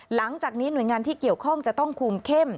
หลังจากนี้หน่วยงานที่เกี่ยวข้องจะต้องคุมเข้ม